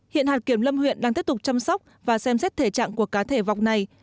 hiện hạt kiểm lâm huyện đang tiếp tục chăm sóc và xem xét thể trạng của cá thể vọc này